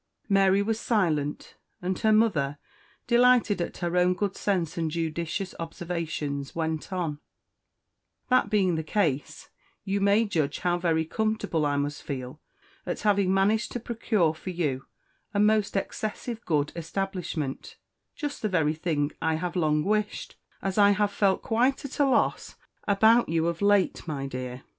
Mary was silent; and her mother, delighted at her own good sense and judicious observations, went on "That being the case, you may judge how very comfortable I must feel at having managed to procure for you a most excessive good establishment just the very thing I have long wished, as I have felt quite at a loss about you of late, my dear.